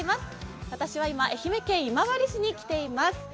私は今、愛媛県今治市に来ています。